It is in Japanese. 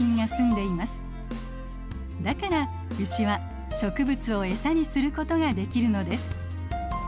だからウシは植物をエサにすることができるのです。